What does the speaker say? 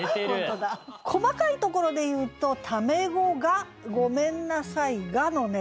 細かいところで言うと「タメ語が」「ごめんなさいが」のね